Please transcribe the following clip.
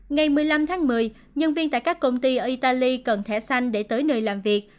ngày một mươi năm tháng một mươi nhân viên tại các công ty ở italy cần thẻ xanh để tới nơi làm việc